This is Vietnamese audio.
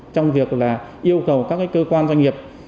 trong việc yêu cầu các cơ quan doanh nghiệp